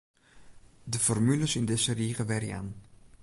De formules yn dizze rige werjaan.